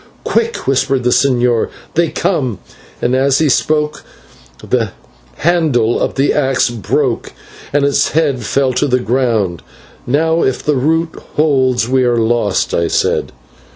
"Quick," whispered the señor, "they come" and as he spoke the handle of the axe broke and its head fell to the ground. "Now if the root holds we are lost," I said.